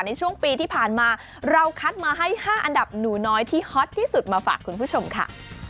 ในช่วงปีที่ผ่านมาเราคัดมาให้๕อันดับหนูน้อยที่ฮอตที่สุดมาฝากคุณผู้ชมค่ะ